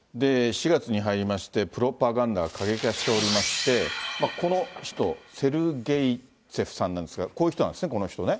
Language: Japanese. ４月に入りまして、プロパガンダが過激化しておりまして、この人、セルゲイツェフさんなんですが、こういう人なんですね、この人ね。